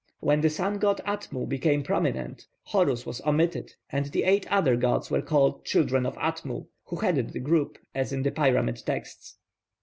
When the sun god Atmu became prominent, Horus was omitted and the eight other gods were called children of Atmu, who headed the group, as in the Pyramid texts.